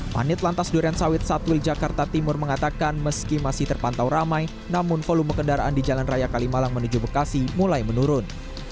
panit lantas duren sawit satwil jakarta timur mengatakan meski masih terpantau ramai namun volume kendaraan di jalan raya kalimalang menuju bekasi mulai menurun